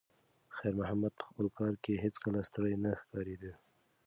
خیر محمد په خپل کار کې هیڅکله ستړی نه ښکارېده.